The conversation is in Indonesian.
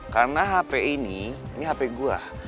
karena hp ini ini hp gue lah